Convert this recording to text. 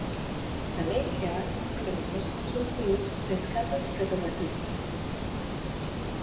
La ley creaba cinco organismos consultivos, de escasas prerrogativas.